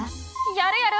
やるやる。